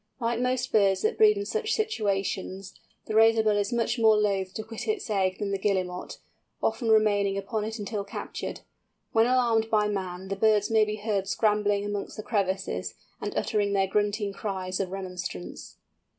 Like most birds that breed in such situations, the Razorbill is much more loth to quit its egg than the Guillemot, often remaining upon it until captured. When alarmed by man the birds may be heard scrambling amongst the crevices, and uttering their grunting cries of remonstrance.